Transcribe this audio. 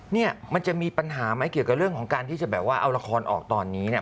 เนี่ยมันจะมีปัญหาไหมเกี่ยวกับเรื่องของการที่จะแบบว่าเอาละครออกตอนนี้เนี่ย